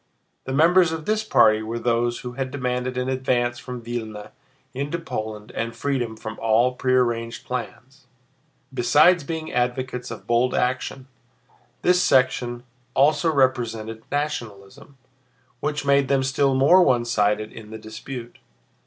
The members of this party were those who had demanded an advance from Vílna into Poland and freedom from all prearranged plans. Besides being advocates of bold action, this section also represented nationalism, which made them still more one sided in the dispute.